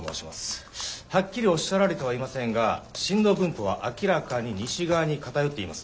はっきりおっしゃられてはいませんが震度分布は明らかに西側に偏っています。